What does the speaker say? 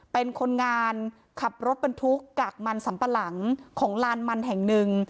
เป็นคนงานขับรถบรรทุกกากมันสัมปะหลังของลานมันแห่งหนึ่ง